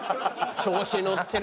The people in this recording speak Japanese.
調子乗ってるな。